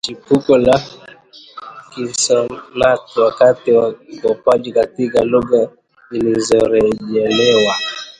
chipuko la konsonanti wakati wa ukopaji katika lugha zilizorejelewa